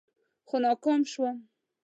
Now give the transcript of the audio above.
خو ناکام شوم.